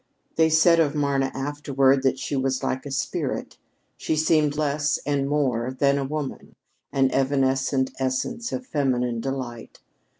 They said of Marna afterward that she was like a spirit. She seemed less and more than a woman, an evanescent essence of feminine delight.